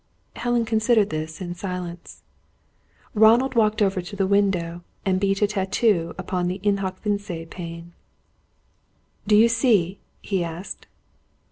Helen considered this in silence. Ronald walked over to the window, and beat a tattoo upon the In hoc vince pane. "Do you see?" he asked.